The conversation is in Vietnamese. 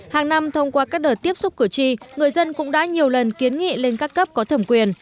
hàng năm thông qua các đợt tiếp xúc cử tri người dân cũng đã nhiều lần kiến nghị lên các cấp có thẩm quyền